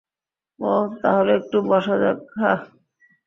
ওহ, তাহলে একটু বসা যাক, হাহ?